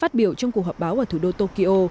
phát biểu trong cuộc họp báo ở thủ đô tokyo